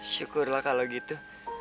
syukurlah kalau gitu